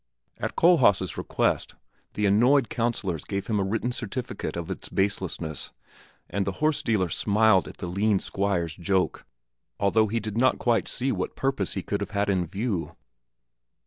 At Kohlhaas's request, the annoyed councilors gave him a written certificate of its baselessness, and the horse dealer smiled at the lean Squire's joke, although he did not quite see what purpose he could have had in view.